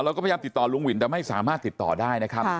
เราก็พยายามติดต่อลุงวินแต่ไม่สามารถติดต่อได้นะครับ